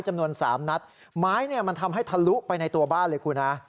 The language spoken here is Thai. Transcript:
จำนวน๓นัดไม้เนี่ยมันทำให้ทะลุไปในตัวบ้านเลยคุณฮะ